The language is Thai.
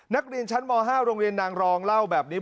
นักเรียนชั้นม๕โรงเรียนนางรองเล่าแบบนี้